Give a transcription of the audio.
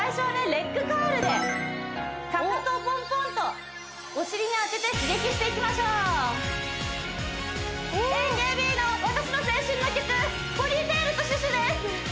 レッグカールでかかとをポンポンとお尻に当てて刺激していきましょうＡＫＢの私の青春の曲「ポニーテールとシュシュ」です